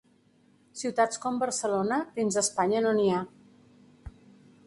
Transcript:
Ciutats com Barcelona, dins Espanya no n'hi ha.